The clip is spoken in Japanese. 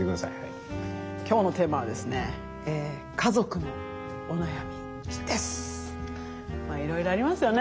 今日のテーマはですねまあいろいろありますよね。